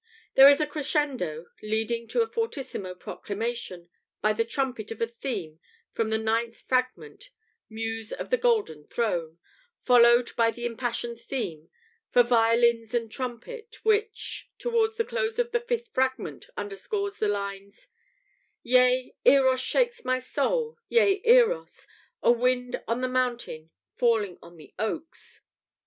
There is a crescendo, leading to a fortissimo proclamation by the trumpet of a theme from the ninth Fragment ("Muse of the Golden Throne"), followed by the impassioned theme (for violins and trumpet) which, towards the close of the fifth Fragment, underscores the lines: "Yea, Eros shakes my soul, yea, Eros, A wind on the mountain falling on the oaks."